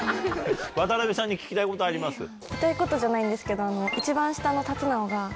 聞きたいことじゃないんですけど一番下の龍尚が。